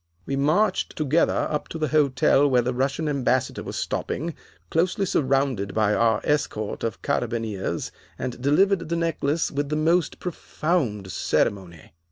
We marched together up to the hotel where the Russian Ambassador was stopping, closely surrounded by our escort of carabineers, and delivered the necklace with the most profound ceremony.